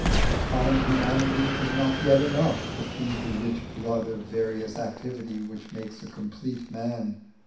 A common humanity is not yet enough to feed the rich blood of various activity which makes a complete man.